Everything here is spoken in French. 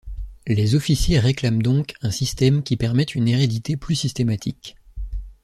Les officiers réclament donc un système qui permette une hérédité plus systématique.